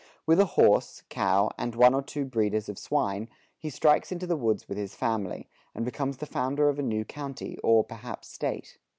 With a horse, cow, and one or two breeders of swine, he strikes into the woods with his family, and becomes the founder of a new county, or perhaps state.